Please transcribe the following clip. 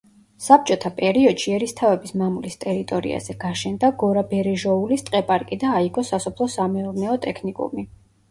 საბჭოთა პერიოდში ერისთავების მამულის ტერიტორიაზე გაშენდა გორაბერეჟოულის ტყე-პარკი და აიგო სასოფლო-სამეურნეო ტექნიკუმი.